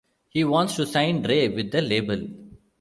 He wants to sign Ray with the label.